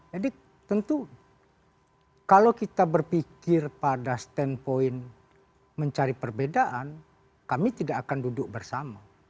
jadi tentu kalau kita berpikir pada standpoint mencari perbedaan kami tidak akan duduk bersama